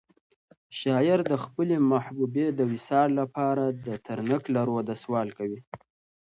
شاعر د خپلې محبوبې د وصال لپاره د ترنګ له روده سوال کوي.